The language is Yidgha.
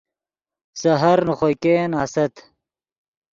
سحر نے خوئے ګئین آست